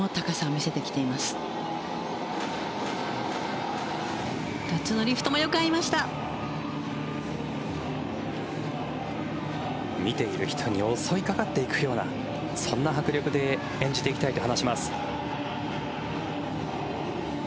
見ている人に襲いかかっていくようなそんな迫力で演じていきたいと話します。